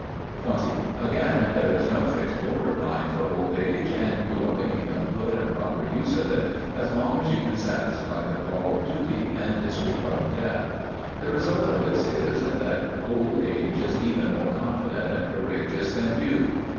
20. Again, there is no fixed borderline for old age, and you are making a good and proper use of it as long as you can satisfy the call of duty and disregard death. The result of this is, that old age is even more confident and courageous than youth.